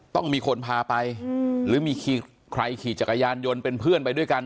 ต้องมีคนพาไปหรือมีใครขี่จักรยานยนต์เป็นเพื่อนไปด้วยกัน